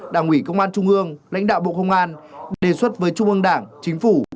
đảng ủy công an trung ương lãnh đạo bộ công an đề xuất với trung ương đảng chính phủ